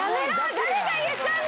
誰が言ったんだ！？